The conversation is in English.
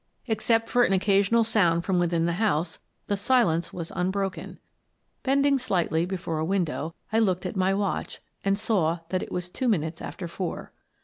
Except for an occasional sound from within the house, the silence was unbroken. Bending slightly before a window, I looked at my watch and saw that it was two minutes after four.